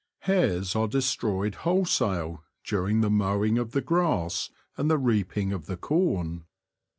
Hares are destroyed wholesale during the mowing of the grass and the reaping of the corn.